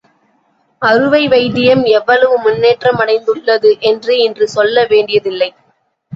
அறுவை வைத்தியம் எவ்வளவு முன்னேற்றமடைந்துள்ளது என்று இன்று சொல்ல வேண்டியதில்லை.